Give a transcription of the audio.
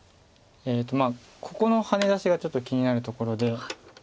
ここのハネ出しがちょっと気になるところで。